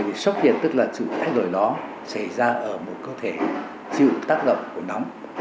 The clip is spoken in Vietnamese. vì sốc nhiệt tức là sự thay đổi đó xảy ra ở một cơ thể chịu tác động của nóng